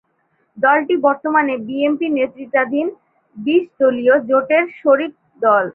দলটি বর্তমানে বিএনপি নেতৃত্বাধীন বিশ দলীয় জোটের শরীক দল।